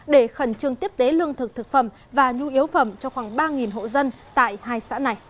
để khẩn trương tiếp tế lương thực thực phẩm và nhu yếu phẩm cho khoảng ba hộ dân tại hai xã này